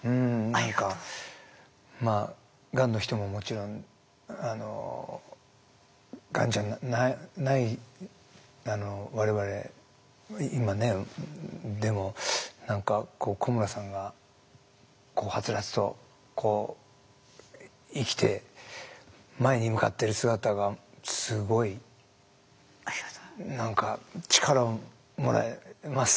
何かまあがんの人ももちろんがんじゃない我々今ねでも何か古村さんがハツラツとこう生きて前に向かっている姿がすごい何か力をもらえます。